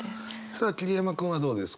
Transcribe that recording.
さあ桐山君はどうですか？